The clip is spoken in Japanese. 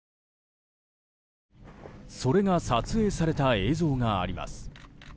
それが撮影された映像があります。